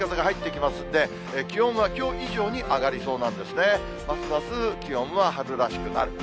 ますます気温は春らしくなる。